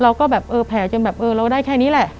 เราก็แบบเออแผลจนแบบเออเราได้แค่นี้แหละ